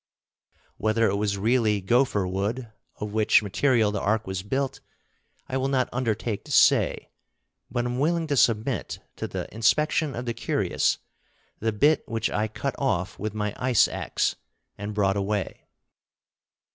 Whether it was really gopher wood, of which material the Ark was built, I will not undertake to say, but am willing to submit to the inspection of the curious the bit which I cut off with my ice axe and brought away.